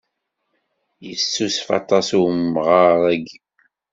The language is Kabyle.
Yessusuf aṭas umɣar-agi.